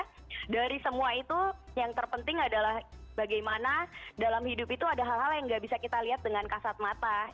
karena dari semua itu yang terpenting adalah bagaimana dalam hidup itu ada hal hal yang nggak bisa kita lihat dengan kasat mata